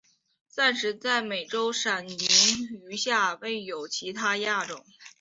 暂时在美洲闪鳞蛇下未有其它亚种。